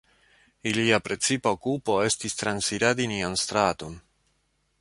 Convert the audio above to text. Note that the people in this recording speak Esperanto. Ilia precipa okupo estis transiradi nian straton.